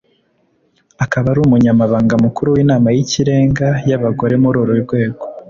akaba ari umunyamabanga mukuru w’inama y’ikirenga y’abagore muri uru rwego